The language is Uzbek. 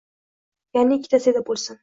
ya’ni ikkita Seda bo‘lsin.